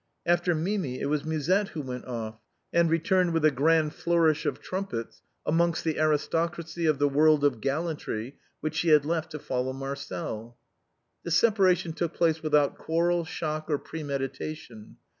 After Mimi it was Musette who went off, and returned with a grand flourish of trumpets amongst the aristocracy of the world of gallantry which she had left to follow Marcel. This separation took place without quarrel, shock, or premeditation.